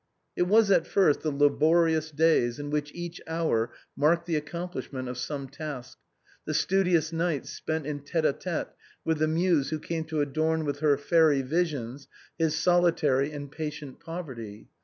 It was at first the laborious days in which each hour marked the accomplishment of some task, the studious nights spent in tête a tête with the muse who came to adorn with her fairy visions his solitary and patient poverty.